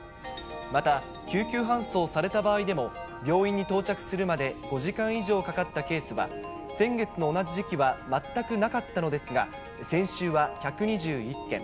また、救急搬送された場合でも、病院に到着するまで５時間以上かかったケースは、先月の同じ時期は全くなかったのですが、先週は１２１件。